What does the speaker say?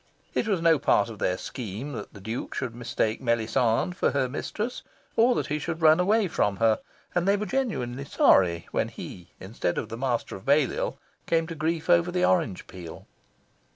It was no part of their scheme that the Duke should mistake Melisande for her mistress, or that he should run away from her, and they were genuinely sorry when he, instead of the Master of Balliol, came to grief over the orange peel.